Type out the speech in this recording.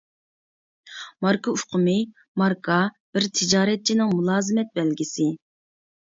ماركا ئۇقۇمى ماركا بىر تىجارەتچىنىڭ مۇلازىمەت بەلگىسى.